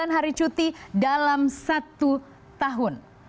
dua puluh sembilan hari cuti dalam satu tahun